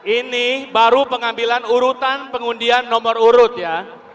ini baru pengambilan urutan pengundian nomor urut ya